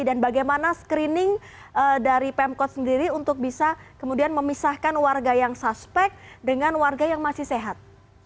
dan bagaimana screening dari pemkot sendiri untuk bisa kemudian memisahkan warga yang suspek dengan warga yang masih sehat